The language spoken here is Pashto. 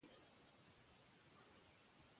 که ګروپ روغ وي نو کوټه نه تیاره کیږي.